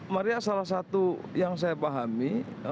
maria salah satu yang saya pahami